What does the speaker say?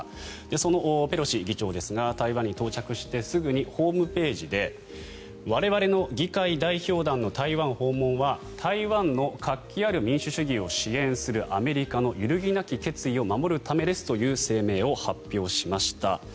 そのペロシ議長ですが台湾に到着してすぐにホームページで我々の議会代表団の台湾訪問は台湾の活気ある民主主義を支援するアメリカの揺るぎなき決意を守るためですという声明を発表しました。